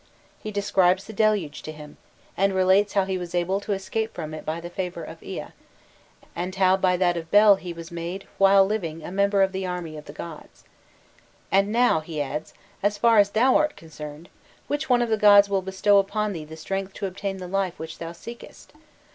He describes the deluge to him, and relates how he was able to escape from it by the favour of Ea, and how by that of Bel he was made while living a member of the army of the gods. "'And now,' he adds, 'as far as thou art concerned, which one of the Gods will bestow upon thee the strength to obtain the life which thou seekest?